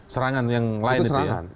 serangan yang lain